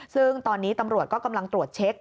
ซึ่งตอนนี้ตำรวจก็กำลังตรวจเช็ค